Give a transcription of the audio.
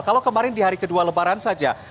kalau kemarin di hari kedua lebaran saja